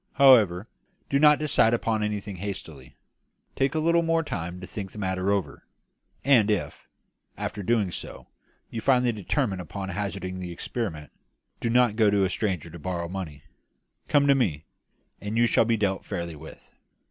However, do not decide upon anything hastily; take a little more time to think the matter over; and if, after doing so, you finally determine upon hazarding the experiment, do not go to a stranger to borrow money; come to me, and you shall be dealt fairly with."